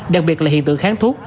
đặc biệt là hiện tượng kháng thuốc